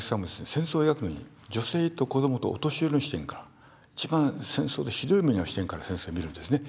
戦争を描くのに女性と子どもとお年寄りの視点から一番戦争でひどい目に遭う視点から戦争を見るんですね。